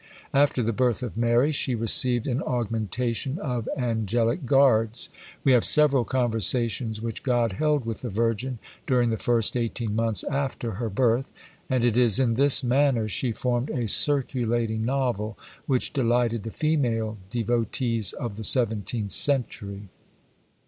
After the birth of Mary, she received an augmentation of angelic guards; we have several conversations which God held with the Virgin during the first eighteen months after her birth. And it is in this manner she formed a circulating novel, which delighted the female devotees of the seventeenth century.